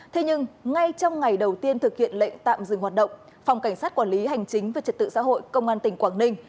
thế nhưng ngay trong ngày đầu tiên thực hiện lệnh tạm dừng hoạt động phòng cảnh sát quản lý hành chính về trật tự xã hội công an tỉnh quảng ninh